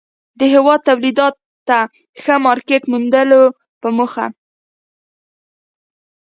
د هېواد توليداتو ته ښه مارکيټ موندلو په موخه